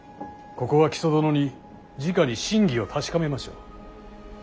ここは木曽殿にじかに真偽を確かめましょう。